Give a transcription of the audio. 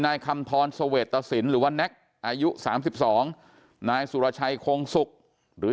นายคำทรเสวตสินหรือว่าแน็กอายุ๓๒นายสุรชัยคงศุกร์หรือ